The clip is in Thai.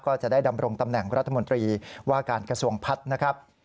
ก็จะได้ดำรงตำแหน่งรัฐมนตรีว่าการกระทรวงพัฒน์นะครับ